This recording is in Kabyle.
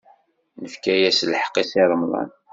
Nefka-as lḥeqq i Si Remḍan.